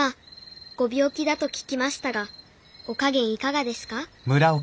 ご病気だと聞きましたがお加減いかがですか？」。